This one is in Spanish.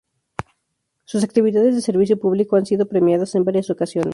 Sus actividades de servicio público han sido premiadas en varias ocasiones.